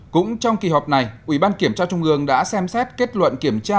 bảy cũng trong kỳ họp này ủy ban kiểm tra trung ương đã xem xét kết luận kiểm tra